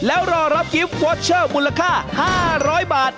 แล้วรอรับกิฟต์วอเชอร์มูลค่า๕๐๐บาท